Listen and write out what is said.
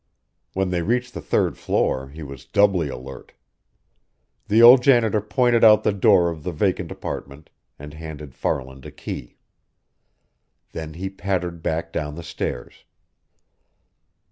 When they reached the third floor, he was doubly alert. The old janitor pointed out the door of the vacant apartment, and handed Farland a key. Then he pattered back down the stairs.